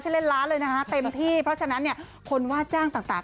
เล่นล้านเลยนะคะเต็มที่เพราะฉะนั้นเนี่ยคนว่าจ้างต่าง